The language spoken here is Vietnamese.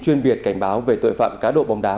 chuyên biệt cảnh báo về tội phạm cá độ bóng đá